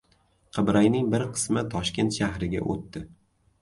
Qibrayning bir qismi Toshkent shahriga o‘tdi